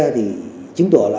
thì chứng tỏ là